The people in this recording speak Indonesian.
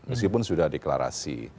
meskipun sudah deklarasi